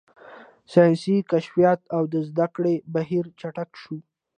ساینسي کشفیات او د زده کړې بهیر چټک شو.